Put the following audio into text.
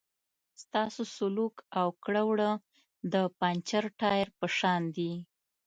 ستاسو سلوک او کړه وړه د پنچر ټایر په شان دي.